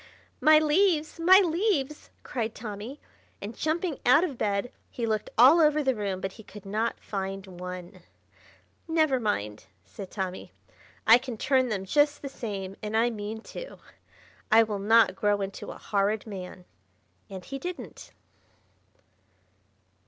"My leaves! My leaves!" cried Tommy; and jumping out of bed he looked all over the room, but he could not find one. "Never mind," said Tommy. "I can turn them just the same, and I mean to. I will not grow into a Horrid Man." And he didn't.